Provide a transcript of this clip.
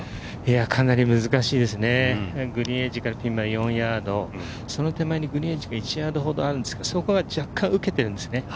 かなり難しいですね、グリーンエッジから４ヤード、その手前にグリーンエッジが４ヤードほどあるんですが、そこは受けているんですね。